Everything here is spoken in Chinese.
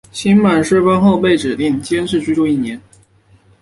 刑满释放后被指定监视居住一年。